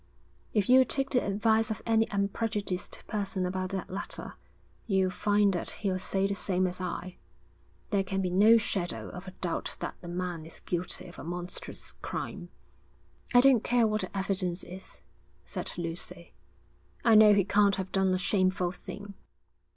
'If you'll take the advice of any unprejudiced person about that letter, you'll find that he'll say the same as I. There can be no shadow of a doubt that the man is guilty of a monstrous crime.' 'I don't care what the evidence is,' said Lucy. 'I know he can't have done a shameful thing.'